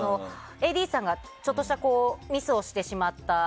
ＡＤさんがちょっとしたミスをしてしまった。